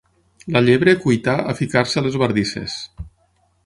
La llebre cuità a ficar-se a les bardisses.